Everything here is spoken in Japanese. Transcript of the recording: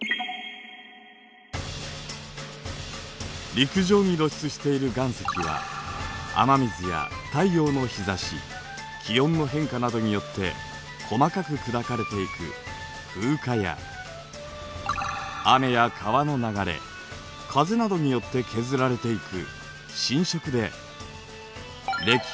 陸上に露出している岩石は雨水や太陽の日差し気温の変化などによって細かく砕かれていく風化や雨や川の流れ風などによって削られていく侵食でれき